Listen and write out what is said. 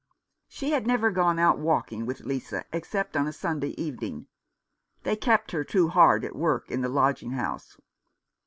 She had never gone out walking with Lisa except on a Sunday evening. They kept her too hard at work in the lodging house.